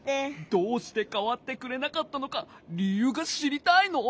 どうしてかわってくれなかったのかりゆうがしりたいの？